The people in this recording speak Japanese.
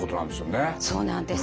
そうなんです。